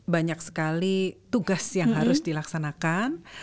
banyak sekali tugas yang harus dilaksanakan